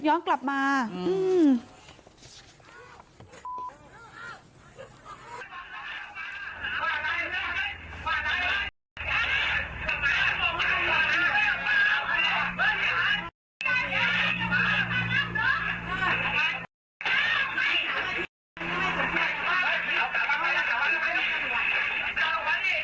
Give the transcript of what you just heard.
ย้อนกลับมาอืม